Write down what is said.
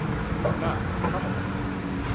না, থামো!